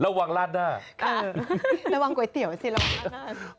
ระวังราดหน้าระวังก๋วยเตี๋ยวสิระวังราดหน้า